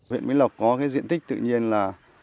huyện mỹ lộc có cái diện tích tự nhiên là